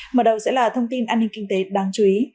mở đầu sẽ là thông tin an ninh kinh tế đáng chú ý